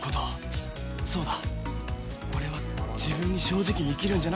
そうだ俺は自分に正直に生きるんじゃなかったのか